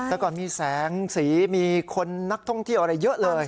แต่ก่อนมีแสงสีมีคนนักท่องเที่ยวอะไรเยอะเลย